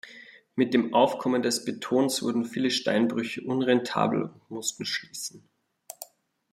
Mit dem Aufkommen des Betons wurden viele Steinbrüche unrentabel und mussten schließen.